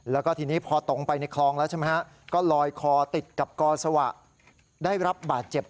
แล้วก็ทีนี้พอตรงไปในคลองแล้วใช่ไหมฮะก็ลอยคอติดกับกอสวะได้รับบาดเจ็บ